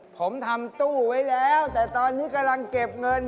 ผมทำตู้ไว้แล้วแต่ตอนนี้กำลังเก็บเงิน